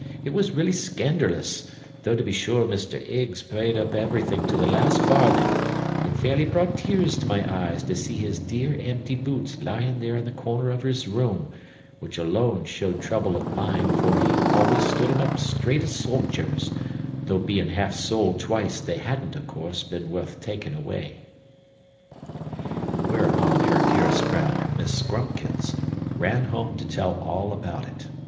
It was really scanderlous, though to be sure Mister 'iggs paid up everythin' to the last farthin' and it fairly brought tears to my eyes to see his dear empty boots lyin' there in the corner of his room, which alone showed trouble of mind for he always stood 'em up straight as solgers, though bein' half soled twice they hadn't, of course, been worth takin' away." Whereupon her dearest friend, Miss Scrumpkins, ran home to tell all about it.